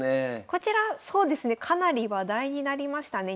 こちらそうですねかなり話題になりましたね。